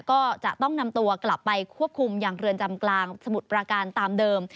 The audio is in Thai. ก็จะต้องนำตัวกลับไปควบคุมอย่างเรือนจำกลางสมุทรประการตามเดิม